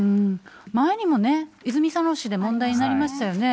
前にもね、泉佐野市で問題になりましたよね。